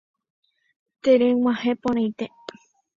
Tereg̃uahẽporãite.